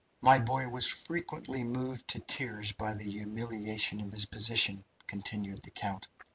"My boy was frequently moved to tears by the humiliation of his position," continued the count.